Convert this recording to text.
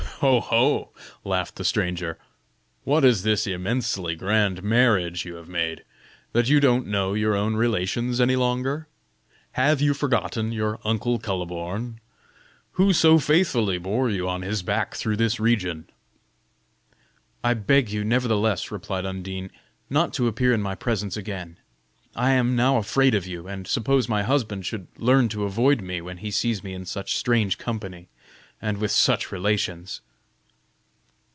"Ho, ho," laughed the stranger, "what is this immensely grand marriage you have made, that you don't know your own relations any longer? Have you forgotten your uncle Kuhleborn, who so faithfully bore you on his back through this region?" "I beg you, nevertheless," replied Undine, "not to appear in my presence again. I am now afraid of you; and suppose my husband should learn to avoid me when he sees me in such strange company and with such relations!"